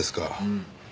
うん。